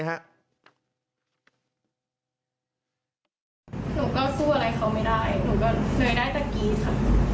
หนูก็สู้อะไรเขาไม่ได้หนูก็เลยได้ตะกี้ค่ะ